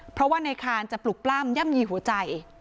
เพราะว่าในคานจะปลุกปล้ำย่ำยีหัวใจ